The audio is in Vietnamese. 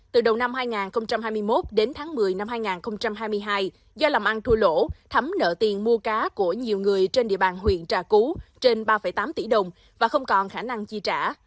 từ đầu năm hai nghìn hai mươi một đến tháng một mươi năm hai nghìn hai mươi hai do lòng ăn thua lỗ thấm nợ tiền mua cá của nhiều người trên địa bàn huyện trà cú trên ba tám tỷ đồng và không còn khả năng chi trả